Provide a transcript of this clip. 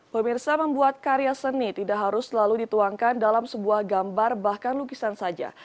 pemirsa membuat karya seni tidak harus selalu dituangkan dalam sebuah gambar bahkan lukisan saja